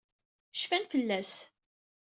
Cfan fell-as.